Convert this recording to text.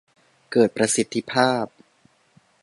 เกิดประสิทธิภาพ